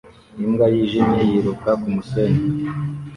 Imbwa yijimye yiruka kumusenyi